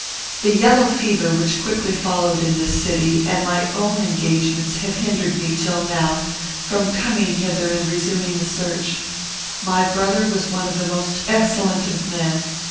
The yellow fever, which quickly followed, in this city, and my own engagements, have hindered me, till now, from coming hither and resuming the search. "'My brother was one of the most excellent of men.